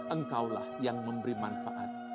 engkau lah yang memberi manfaat